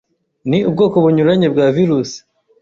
ni ubwoko bunyuranye bwa virus,